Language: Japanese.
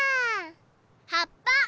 はっぱ！